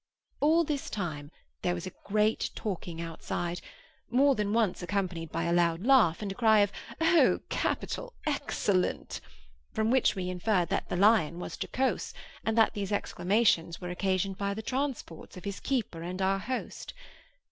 All this time there was a great talking outside, more than once accompanied by a loud laugh, and a cry of 'Oh! capital! excellent!' from which we inferred that the lion was jocose, and that these exclamations were occasioned by the transports of his keeper and our host.